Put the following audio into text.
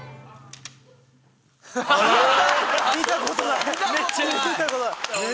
見たことない！